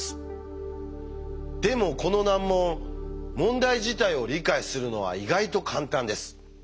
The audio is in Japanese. でもこの難問問題自体を理解するのは意外と簡単です。